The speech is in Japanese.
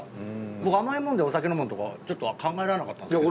僕甘いものでお酒飲むのとかちょっと考えられなかったんですけど。